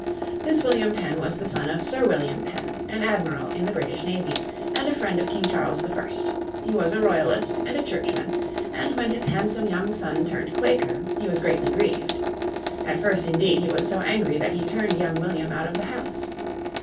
This William Penn was the son of Sir William Penn, an admiral in the British Navy, and a friend of King Charles I. He was a Royalist and a Churchman, and when his handsome young son turned Quaker he was greatly grieved. At first indeed he was so angry that he turned young William out of the house.